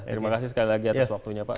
terima kasih sekali lagi atas waktunya pak